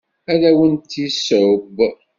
Ad awent-d-yesseww.